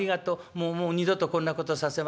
もうもう二度とこんなことさせませんから。